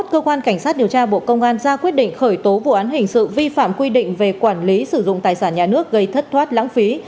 cơ quan cảnh sát điều tra bộ công an ra quyết định khởi tố vụ án hình sự vi phạm quy định về quản lý sử dụng tài sản nhà nước gây thất thoát lãng phí